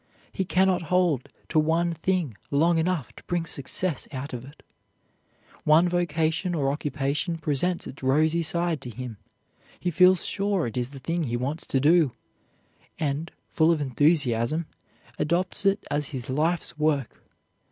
He can not hold to one thing long enough to bring success out of it. One vocation or occupation presents its rosy side to him, he feels sure it is the thing he wants to do, and, full of enthusiasm, adopts it as his life's work.